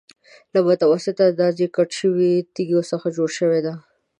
له متوسطې اندازې کټ شویو تېږو څخه جوړه شوې ده.